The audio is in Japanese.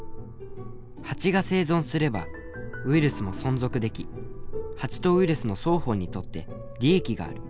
ハチが生存すればウイルスも存続できハチとウイルスの双方にとって利益がある。